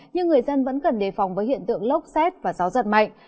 nhưng người dân vẫn cần đề phòng với hiện tượng lốc xét và gió giật mạnh